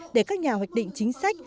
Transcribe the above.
để các nhà hoạch định chính sách